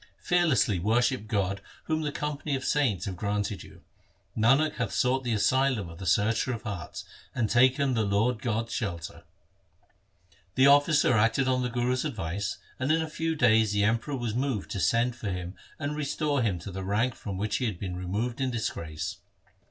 Fearlessly worship God Whom the company of saints have granted you. Nanak hath sought the asylum of the Searcher of hearts, And taken the Lord God's shelter. 1 The officer acted on the Guru's advice, and in a few days the Emperor was moved to send for him and restore him to the rank from which he had been removed in disgrace.